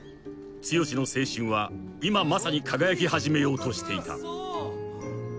［剛の青春は今まさに輝き始めようとしていた］